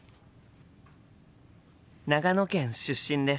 長野県出身です。